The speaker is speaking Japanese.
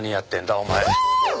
お前。